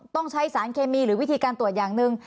ต้องใช้สารเคมีหรือวิธีการตรวจอย่างหนึ่ง